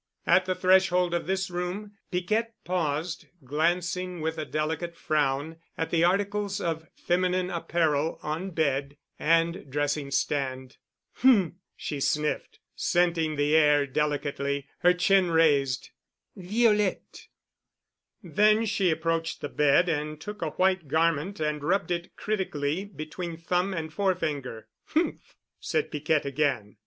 At the threshold of this room Piquette paused, glancing with a delicate frown at the articles of feminine apparel on bed and dressing stand. "H—m," she sniffed, scenting the air delicately, her chin raised. "Violette!" Then she approached the bed and took a white garment and rubbed it critically between thumb and forefinger. "H mph!" said Piquette again.